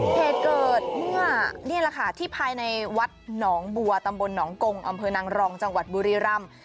เหตุเกิดเมื่อนี่แหละค่ะที่ภายในวัดหนองบัวตำบลหนองกงอนรองจบุรีรัมพ์